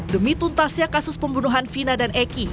demi tuntasnya kasus pembunuhan vina dan eki